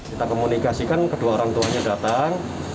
kita komunikasikan kedua orang tuanya datang